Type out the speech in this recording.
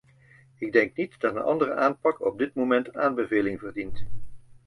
Ik denk niet dat een andere aanpak op dit moment aanbeveling verdient.